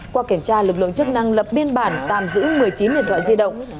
qua kiểm tra lực lượng chức năng lập biên bản tạm giữ một mươi chín điện thoại di động